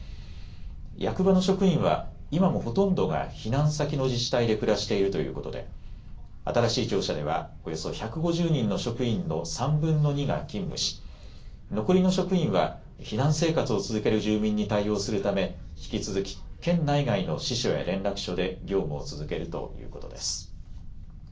役場の職員は今もほとんどが避難先の自治体で暮らしているということで新しい庁舎ではおよそ１５０人の職員の３分の２が勤務し、残りの職員は避難生活を続ける住民に対応するため引き続き県内外の支所や連絡所で業務を続けるということです。